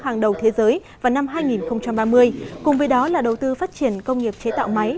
hàng đầu thế giới vào năm hai nghìn ba mươi cùng với đó là đầu tư phát triển công nghiệp chế tạo máy